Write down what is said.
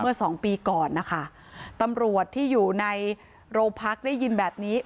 สองปีก่อนนะคะตำรวจที่อยู่ในโรงพักได้ยินแบบนี้